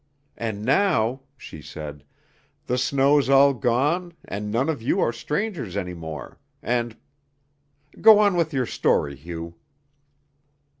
And now," she said, "the snow's all gone and none of you are strangers any more, and Go on with your story, Hugh."